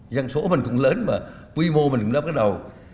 dân số mình cũng lớn mà quy mô mình cũng lớn cái đầu